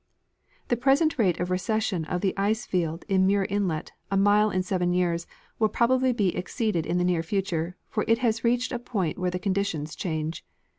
The present rate of recession of the ice front in Muir inlet, a mile in seven years, will probably be exceeded in the near future ; for it has reached a point where the conditions change.